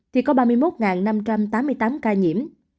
thì có ba mươi một năm trăm tám mươi tám ca nhiễm